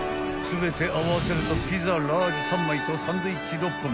［全て合わせるとピザラージ３枚とサンドイッチ６本］